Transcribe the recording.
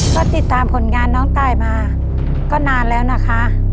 ก็ติดตามผลงานน้องตายมาก็นานแล้วนะคะ